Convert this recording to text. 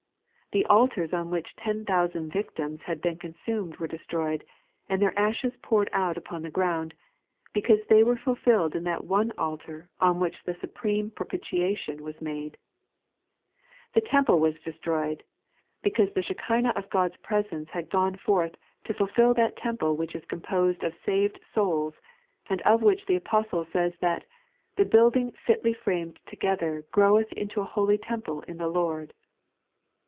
The altars on which ten thousand victims had been consumed were destroyed, and their ashes poured out upon the ground, because they were fulfilled in that one Altar on which the supreme Propitiation was made. The Temple 3.n.iized by Google OuB Lord's Bible. 49 vas destroyed, because the Shekinah of God's FreseDCe haA gone forth to fulfil that temple which is composed of saved souls, nod of which the Apostle says that " the building fitly framed together groweth into a holy temple in the Lord."